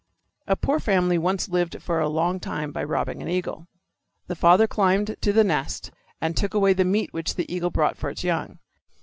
A poor family once lived for a long time by robbing an eagle. The father climbed to the nest and took away the meat which the eagle brought for its young.